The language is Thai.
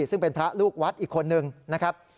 ซึ่งเป็นพระลูกวัดอีกคนนึงนะครับ